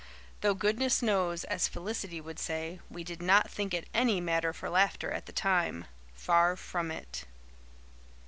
Though goodness knows, as Felicity would say, we did not think it any matter for laughter at the time far from it.